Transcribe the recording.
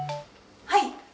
はい。